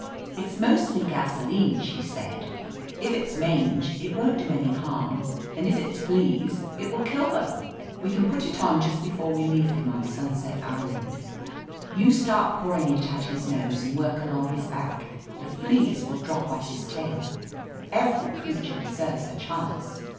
"It's mostly gasoline," she said. "If it's 300 •X^ eft OF LETITIA CARBERRY mange it won't do any harm, and if it's fleas it will kill them We can put it on just before we leave him on Sunset Island. You start pouring it at his nose and work along his back. The fleas will drop off his tail. Every creature deserves a chance."